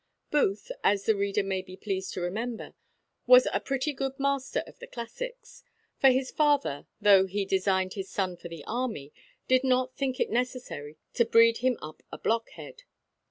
Booth, as the reader may be pleased to remember, was a pretty good master of the classics; for his father, though he designed his son for the army, did not think it necessary to breed him up a blockhead.